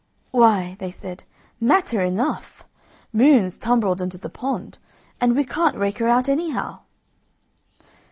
"Why," they say, "matter enough! Moon's tumbled into the pond, and we can't rake her out anyhow!"